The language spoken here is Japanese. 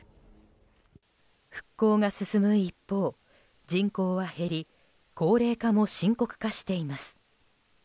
復興が進む一方、人口は減り高齢化も深刻化しています。